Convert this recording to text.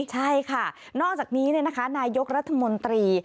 ใช่ค่ะนอกจากนี้นายกรัฐมนตรี